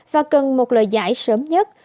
và cần một lời giải sớm nhất